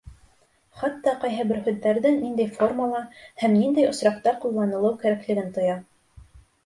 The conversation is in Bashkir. Хатта ҡайһы бер һүҙҙәрҙе ниндәй формала һәм ниндәй осраҡта ҡулланылыу кәрәклеген тоя.